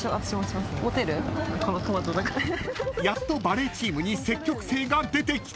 ［やっとバレーチームに積極性が出てきた］